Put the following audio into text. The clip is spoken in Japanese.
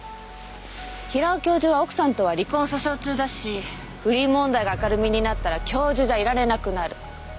平尾教授は奥さんとは離婚訴訟中だし不倫問題が明るみになったら教授じゃいられなくなる。